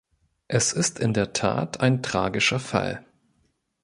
Es ist in der Tat ein tragischer Fall.